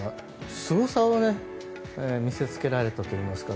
すごさを見せつけられたといいますか。